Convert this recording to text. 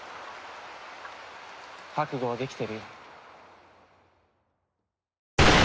覚悟はできてるよ。